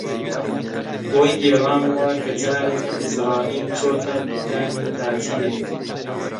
بۆی گێڕامەوە کە جارێک عیزراییل چۆتە دووکانی تاجرێک